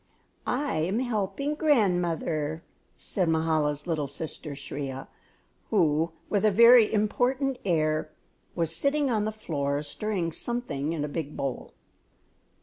"I am helping grandmother," said Mahala's little sister Shriya, who, with a very important air, was sitting on the floor stirring something in a big bowl.